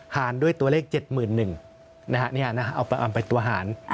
หารด้วยตัวเลข๗หมื่นหนึ่งเอาไปตัวหาร